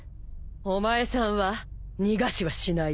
お前さんは逃がしはしないよ。